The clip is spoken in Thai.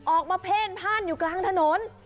ออกมาเพ่นพ่านอยู่กลางถนน